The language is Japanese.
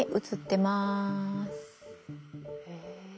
へえ。